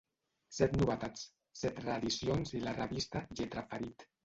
Set novetats, set reedicions i la revista ‘Lletraferit’.